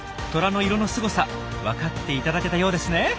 トラの色のすごさわかっていただけたようですね？